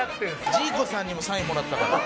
ジーコさんにもサインもらったから。